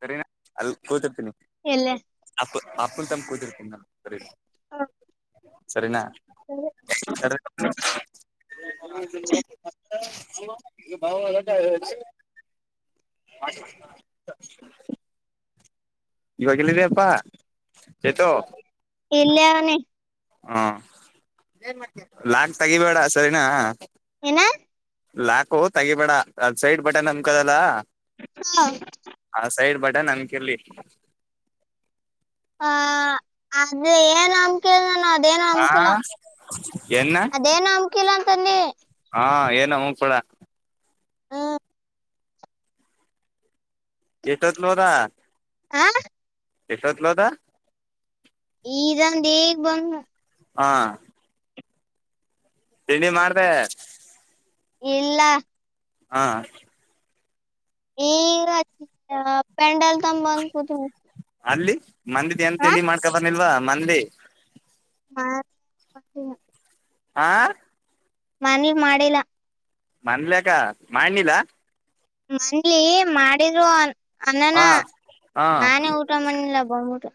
ಸರಿನಾ ಅಲ್ಲಿ ಕೂತಿರ್ತೀನಿ ಎಲ್ಲ ಅಪ್ಪು ಅಪ್ಪು ತಮ ಕೂತಿರ್ತೀನಿ ನಾ ಸರಿನಾ ಸರಿನಾ [unintelligible] [inaudible] [unintelligible] ಇವಾಗ ಎಲ್ಲಿದಿಯಪ್ಪ ಚೇತು ಇಲ್ಲವನೇ. ಹಾ ಲಾಕ್ ತಗಿಬೇಡ ಸರಿನಾ. ಏನ? ಲಾಕು ತಗಿಬೇಡ ಅ ಸೈಡ್ ಬಟನ್ ನಮಕದಲ್ಲ ಆ ಸೈಡ್ ಬಟನ್ [unintelligible] ಹ ಅದ ಏನ್ ಅಮ ಕೇಳ ನಾನ ಅದೇನ ಆ ಅನ್ಕಿಲ್ಲ ಏನ್ನ ಅದೇನ ಅಮ್ಕಿಲ್ಲ ಅಂತ ಅಂದಿ. [unintelligible] ಹ್ಮ್ ಎಟತ್ಲೋದಾ ಹಾ ಎಟ್ತ್ಲೋದಾ ಈಗ ಅಂದಿ ಈಗ ಬಂದ - ಹಾ ತಿಂಡಿ ಮಾಡ್ದೆ. ಇಲ್ಲ. ಹಾ ಈಗ [inaudible] ತಂದ ಬಂದ್ ಕುತೀನಿ. ಅಲ್ಲಿ ಮಂದಿದ್ದ ಎಂತ ತಿಂಡಿ ಮಾಡ್ಕಬಾರಲಿಲ್ವಾ ಮಂದಿ ಹ ಹಾ ನಾನೀ ಮಾಡಿಲ್ಲ. ಮನ್ನಿಲ್ಲ ಯಾಕ ಮಾಡನಿಲ್ಲ. ಮಂದಿ ಮಾಡಿದೋವ್ ಹ ಅಂಡೆನ ಹಾ ನಾನೇ ಊಟ ಮಾಡಿಲ್ಲ ಬಂದಬಿಟ್ಟು.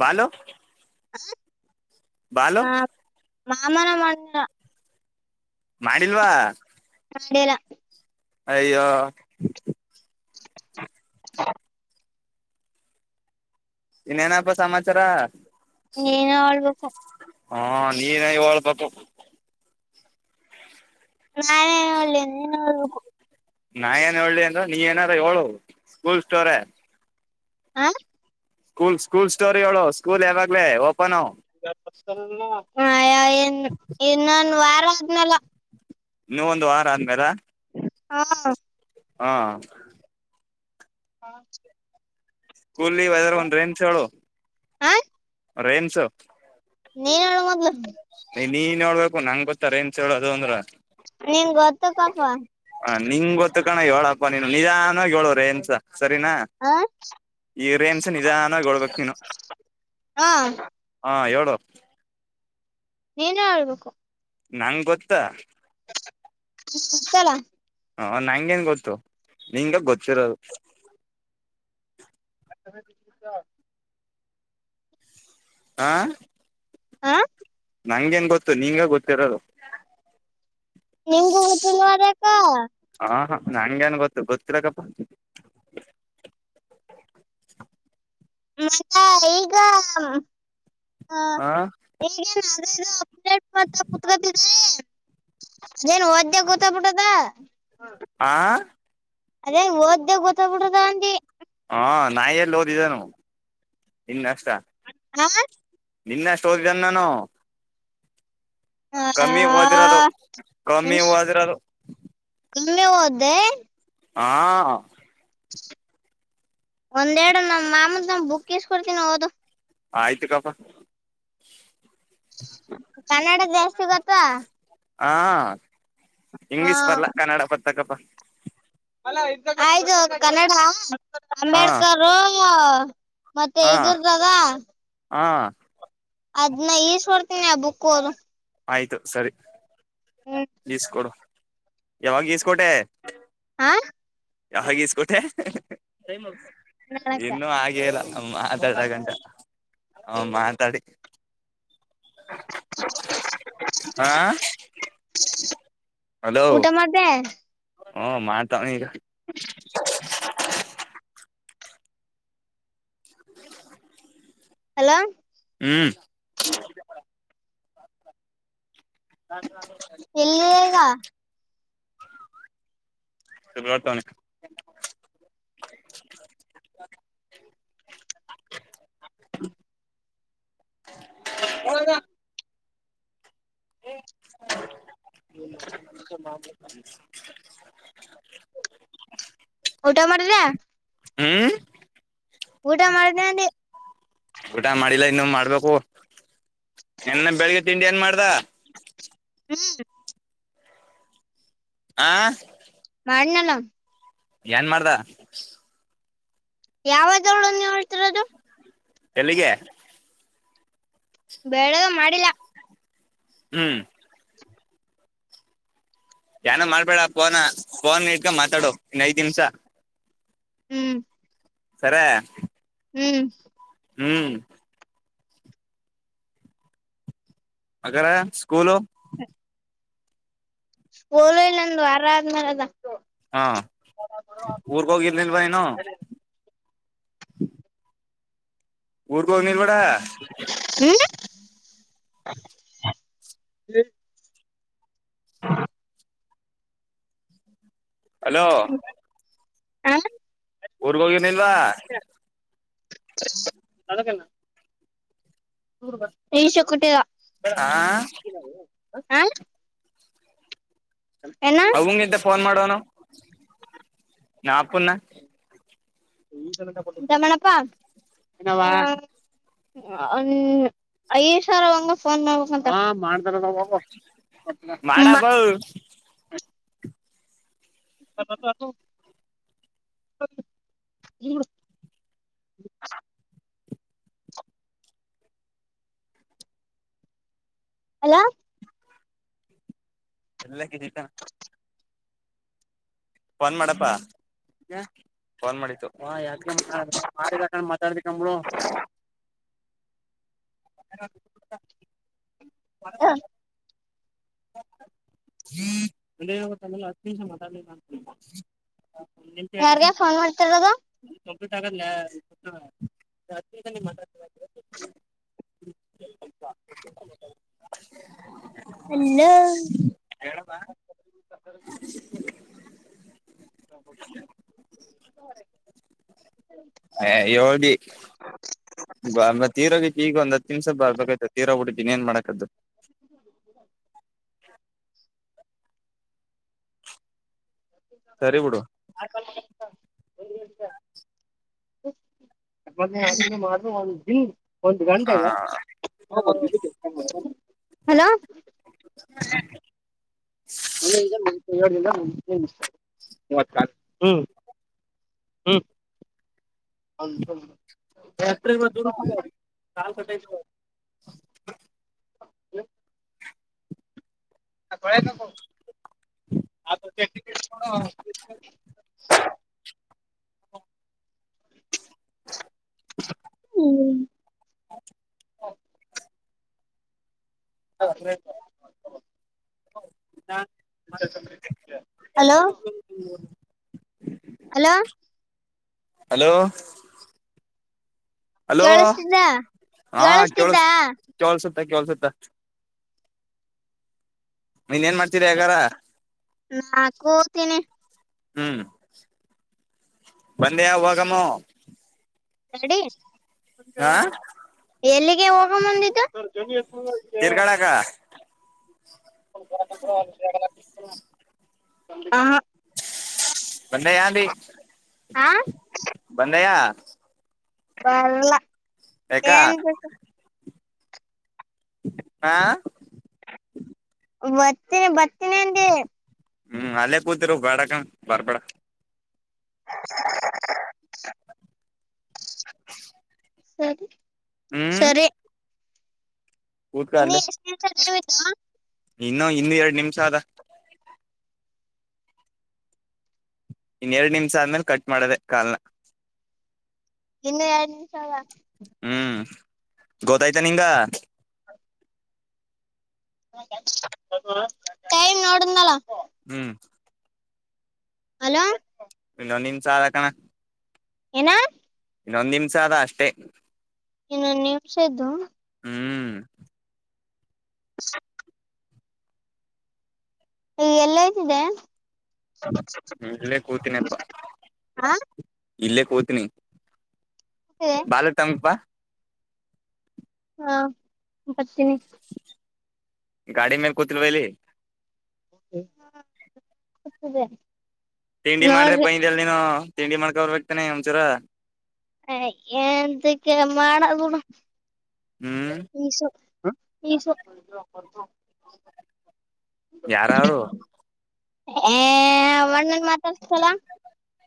ಬಾಳು - ಹ್ಮ್ ಬಾಳು - ಮಾಮನ ಮಾಡಿದ. ಮಾಡಿಲ್ವಾ? [inaudible] ಅಯ್ಯೋ [unintelligible] ಇನ್ನೇನಪ್ಪಾ ಸಮಾಚಾರ - ನೀನೆ ಹಳ್ಬೇಕು. ಹಾ ನೀವೇ ಹೇಳ್ಬೇಕು. ನಾ ಎನ್ ಹೇಳಿ ನೀನೇ ಹೇಳ್ಬೇಕು. ನಾ ಏನ್ ಹೇಳಿ ಅಂದ್ರ ನೀ ಏನಾರ ಹೇಳು ಸ್ಕೂಲ್ ಸ್ಟೋರಿ. ಹಾ ಸ್ಕೂಲ್ ಸ್ಕೂಲ್ ಸ್ಟೋರಿ ಹೇಳು ಸ್ಕೂಲ್ ಯಾವಾಗ್ಲೇ ಓಪನ್ [inaudible] ಇನ್ನೊಂದ ವಾರ ಅದ್ನೆಲ್ಲಾ. ಇನ್ನು ಒಂದು ವಾರ ಆದ್ಮೇಲ - ಹಾ ಹಾ [unintelligible] ಕೂಲಿ ವೆದರ್ ಒಂದ್ ರೆಂಚ್ ಹೇಳು. ಹ ರೇನ್ಸ ನೀನ್ ಹೇಳ ಮೊದಲ ನೀನ್ ಹೇಳ್ಬೇಕು ನಂಗ ಗೊತ್ತಾರ ನ್ಂತ ಹೇಳೋದು ಅಂದ್ರ [inaudible] ನಿನ್ ಗೊತ್ತು ಪಾಪ ಹ ನಿಂಗ ಗೊತ್ತ ಕಣ ಳ ನೀ ನಿಜಾನ ಹೇಳೋವ್ರ ಏನ್ಸ ಸರಿನಾ ಹ ಈ ರೇಮಸ ನಿಧಾನವಾಗಿ ಹೇಳಬೇಕು ನೀನು ಹ ಹಾ ಹೇಳ ನೀನ ಆಳ್ಬೇಕು ನಂ ಗೊತ್ತಾ ಗೋತಲ್ಲ ಹ ನಂಗೇನ್ ಗೊತ್ತು ನಿಂಗ ಗೊತ್ತಿರೋದು ಆ ತಮೇ ಬತ ಆ ಹ ನಂಗ ನ್ ಗೊತ್ತು ನಿಂಗ ಗೊತ್ತಿರದು ನಿಮ್ದು ಊಟ ನೋಡಕ್ಕ ನಂಗೆೇನ್ ಗೊತ್ತ ಗೊತ್ತಿರಕ್ಕಪ್ಪ [inaudible] ಮತ್ತ ಈಗ ಆ ಈಗ ಅಪ್ಡೇಟ್ ಮಾಡ್ತಾ ಕುತ್ಕದಿ ಅೇನು ಒದ ಗೊತ್ತಾ್ಬಿಟ್ಟದ ಆ ಅದೇ ಓದ್ದೇ ಗೊತ್ತ್ಬಿಡದ ಅನ್ೀ ಹಾ ನಾಯ ಎಲ್ಲಿ ಓದಿದ್ದನು ಇನ್ ಅಕ್ಷ ಹ ನಿನ್ನ ಎಷ್ಟು ಹದಿದ್ದ ನಾನು ಕಮ್ ಓದಿರೋದು ಕಮ್ಮಿ ಓದಿರೋದು ಕೇ ಹದೆ ಹಾ ಒಂದೆರ ನಮ್ಮ ಮಾಮತ್ ನ ಬುಕ್ಸ್ ಕೊಡ್ತೀನ ಹೋದು ಆಯ್ತು ಕಪ ಕನ್ನಡ ಜಾಸ್ತಿ ಗೊತ್ತವಾ ಹಾ ಇಂಗ್ಲಿೀಷ್ ಬರ್ಲಾ ಕನ್ನಡ ಬರ್ತಕ್ಕಪ್ಪ ಆಯದುು ಕನ್ನಡ ಹಾ ಅಂಬೇಡ್ಕರು ಮತ್ತೆ ಹಾ ಇದದುರ್ದದ ಹಾ ಅದ್ನ್ನ ಈಷ್ಟ ಕೊಡ್ತೀನಿ ಆ ಬುಕ್ಕ ಹೋ ದೊ ಆಯ್ತು ಸರಿ ಗಸ್ಕೊಡು ಯಾವಾಗೀಸ್ಕೋಟೆ ಹಾ ಯಾವಾಗ ಈಸ್ಕೋಟೆ ನಕ ಇನ್ನುೂ ಹಾಗೆ ಇಲ್ಲ ಮಾತಾಡ್ಕಂತ ಹ ಮಾತಾಡಿ ಹಾ ಹ ಊಟ ಮಾಡ್ದೆ ಹಓ ಮಾಡ್ತವ ಈಗ ಅಲೋ ಹ್ಮ ಹ ಎಲ್ಲಿದೆ ಈಗ ರ್ತ [inaudible] ಹ್ಮ [unintelligible] [inaudible] ಊಟ ಮಾಡಿದ್ಯಾ ಹ್ಮ್ ಊಟ ಮಾಡ್ದೆ ಊಟ ಮಾಡಿಲ್ಲ ಇನ್ನುೂ ಮಾಡ್ಬೇಕು ಇನ್ನು ಬೆಳಿಗ್ಗೆ ತಿಂಡಿ ಏನ್ ಮಾಡ್ದ ಹ್ಮ್ ಆ ಮಾಡಡ್ನಲ್ಲ ಏನ್ ಮಾಡ್ದ ಯಾವದರಳನ್ನ ಹೋಳ್ತಿರೋದು ಎಲ್ಲಿಗೆ ಬೆಳಗೆ ಮಾಡಿಲ್ಲ ಹ್ಮ್ ಏನ ಮಾಡ್ಬೇಡ ಫೋನ್ ಫೋನ್ ಇಟ್ಗ ಮಾತಾಡು ಇನ್ ಐದ್ ನಿಮಿಷ ಹ್ಮ್ ಸರಿ ಹ್ಮ್ ಹ್ಮ್ ಹಾಗಾದ್ರೆ ಸ್ಕೂಲು [unintelligible] ಸ್ಕೂಲ್ ಇಲ್ಲಂದು ಅರಾದ್ಮೇಲೆ ಅದ ಹಾ ಊರಿಗೆ ಹೋಗಿರ್ನಿಲ್ವಾ ನು ಊರಿಗೆ ಹೋಗ್ನಿಲ್ವದ ಹ್ಮ ಹ್ಮ [unintelligible] [unintelligible] ಹಲೋ ಆ ಊರ್ಗೋಗೇನಿಲ್ವಾ [unintelligible] ಆ [inaudible] ಏನ ಅವಂಗಿಂತ ಫೋನ್ ಮಾಡೋನು ನಾ ಅಪ್ಪುನ್ನ [unintelligible] ಈಶ್ವರ ಮೇವಿಗೆ ಫೋನ್ ಮಾಡ್ಬೇಕ ಮಾಡಪ್ಪ [unintelligible] [unintelligible] ಹಲೋ [unintelligible] ಫೋನ್ ಮಾಡಪ್ಪಾ ಫೋನ್ ಮಾಡತು ವಾ ಯಾಕ ಮಾತಾಡ ಮಾಡಾಕ ಮಾತಾಡದಿಕಂಬಳು [unintelligible] ಹ [unintelligible] ಯಾರ್ಗ ಫೋನ್ ಮಾಡ್ತಾರದು [inaudible] ಹೆಲೋ [unintelligible] ಹ ಹೇಳ್ತಿ ಮತ್ತ ಈರೋಗಿ ಈಗ ಒಂದ ಹ ನಿಮಸ ಬೇಕ್ತ ತೀರ ಹುಟ್ಟಿದ್ದೀನ ಏನ್ ಮಾಡಕದು [unintelligible] ಸರಿ ಬಿಡು ಆಕ ಮಾಡಾರು ಒಂದು ಹಾ ಗಂಟೆೆಯ ಹಲ [unintelligible] ಮ ಏ ದ ಮೂವತ್ ಹ್ಮ್ ಹ್ಮ ಹ ಎ [unintelligible] ಹ್ಮ ಹ ಕಳೆ ನಕ ಆ [unintelligible] ಹ್ಮ್ ಹ ಹಲೋ ಅಲಾ ಹಲೋ ಹಲೋ ಕೇಳಿಸ್ತಿದ್ದ ಹಾ ಕೇಳಳ್ ಕೇಳಿಸ್ತಿದ್ದ ಕಳ್ಸುತ್ತ ಕೇೇಳಳ್ಸುತ್ತ ನೀನ್ ಏನ್ ಮಾಡ್ತೀರಿ ಯಗಾರ ನಾ ಕೂತೀನಿ ಹ್ಮ್ ಬಂದೇವಾಗಾಮ ಎಡಿ ಎಲ್ಲಿಗೆ ಹೋಗ ಮುಂದಿತ ತಿರ್ಗಾಡಕ ಹ ಬಂದ ಯ ಭ ಹಾ ಬಂದೆಯ ಬರಲ ಯಾಕ ಏನ್ ಹಾ ಬತ್ತ ಬತ್ತನಂದ ಹ್ಮ್ ಅಲ್ಲೇ ಕೂತಿರು ಬೇಡಕ ಬರ್ಬೇಡ ಸರಿ ಹ್ಮ್ ಸರಿ ಕೂತ್ಕ ಇನ್ನ ಅಲ್ಲೇ ಎಷ್ಟಸ ಇನ್ನು ಇನ್ನ ಎರಡು ನಿಮಿಷ ಆದದ ಇನ್ ಎರಡ್ ನಿಮಿಷ ಆದ್ಮೇಲೆ ಕಟ್ ಮಾಡದೆ ಕಾಲ್ನ ಇನ್ನು ಎರಡು ನಿಮಿಷ ಅಲ್ಲ ಹ್ಮ್ ಗೊತ್ತಾಯ್ತ ನಿಂಗ ೈಮ ನೋಡ ನಲ ಹ್ಮ್ ಅಲೋ ನಿಮ್ ಚಾರ ಕಣ ಏನ ಇನ್ನೊಂದ್ ನಿಮ್ಸ ಆದದ ಅಷ್ಟೇ ಇನ್ನೊಂದು ನಿಮಿಷ ಇದ್ದು ಹ್ಮ್ [inaudible] ಈ ಎಲ್ಲ ಆಯ್ತದೆ ಇಲ್ಲೇ ಕೂತಿನಪ್ಪಾ ಹಾಂ ಇಲ್ಲೇ ಕುತಿನಿ ಹ ಬಾಲ ತಂಪ, ಹಾ ಬರ್ತೀನಿ. ಗಾಡಿ ಮೇಲೆ ಕೂತಿಲ್ವ ಅಲ್ಲಿ. ಹ್ಮ ಕೂತಿದೆ. ತಿಂಡಿ ಮಾಡ್ದ ಬೈಂದಿ ಅಲ್ ನೀನು ತಿಂಡಿ ಮಾಡ್ಕೊರ್ಬೇಕ್ತಾನೆ ಒಂಚೂರು. ಹ ಎಂಥಕೆ [unintelligible] ಹ್ಮ್ ಈಸ ಹ್ಮು ಇಸು, ಯಾರಾರು, ಏ ಅವಣ್ಣನ್ ಮಾತಾಡ್ಸ್ತಲ,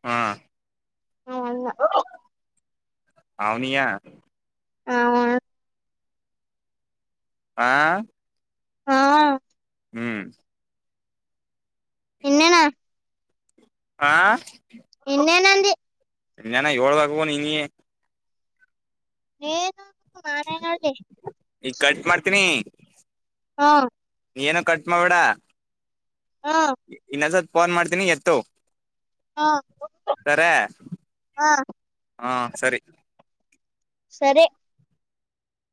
ಹಾ, ನಾವ ಅಲ್ಲ, ಅವನಿಯಾ, ಆ, ಹಾ, ಹ್ಮ್. ಇನೇನು. ಆ, ಇನ್ನೇನಂದಿ. ಇನ್ನೇನ ಹೇಳ್ಬೇಕುವ ನೀನೇ. ನೀನು [unintelligible] ನಾನೇನ್ ಹೇಳಿ ಈಗ ಕಟ್ಟ್ ಮಾಡ್ತೀನಿ. ಹಾ, ನೀನು ಕಟ್ ಮಾಡ್ಬೇಡ. ಹಾ ಇನ್ನೊಂದ ಸಲ ಫೋನ್ ಮಾಡ್ತೀನಿ ಎತ್ತು. ಹಾ, ಸರೇ ಹಾ ಹಾ ಸರಿ, ಸರಿ.